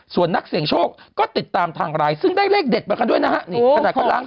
ส่วนนักเสี่ยงโชคก็ติดตามทางไลน์ซึ่งได้เลขเด็ดมากันด้วยนะฮะ